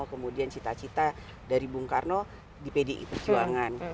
kemudian cita cita dari bung karno di pdi perjuangan